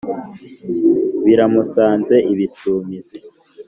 biramusanze ibisumizi